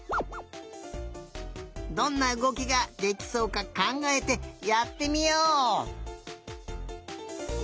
どんなうごきができそうかかんがえてやってみよう！